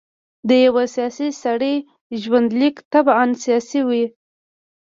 د یوه سیاسي سړي ژوندلیک طبعاً سیاسي وي.